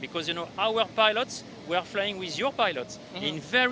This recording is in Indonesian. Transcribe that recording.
karena pilot kita berlari dengan pilot anda